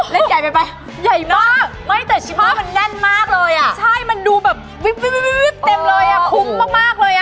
ใหญ่ไปใหญ่มากไม่แต่ชีผ้ามันแน่นมากเลยอ่ะใช่มันดูแบบวิบเต็มเลยอ่ะคุ้มมากเลยอ่ะ